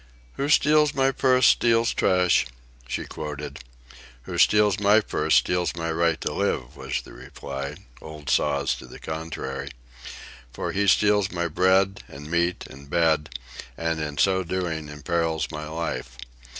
"'Who steals my purse steals trash,'" she quoted. "Who steals my purse steals my right to live," was the reply, "old saws to the contrary. For he steals my bread and meat and bed, and in so doing imperils my life.